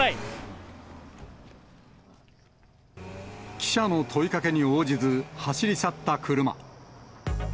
記者の問いかけに応じず、走り去った車。